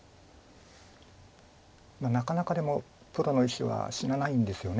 なかなかでもプロの石は死なないんですよね。